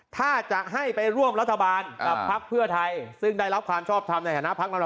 ถ้าจะให้ไปร่วมรัฐบาลกับพักเพื่อไทยซึ่งได้รับความชอบทำในฐานะพัก